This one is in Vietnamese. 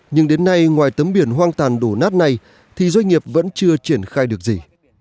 nhưng đến nay ngoài tấm biển hoang tàn đổ nát này thì doanh nghiệp vẫn chưa triển khai được gì